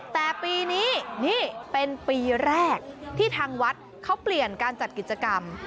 แต่ปีนี้นี่เป็นปีแรกที่ทางวัดเขาเปลี่ยนการจัดกิจกรรม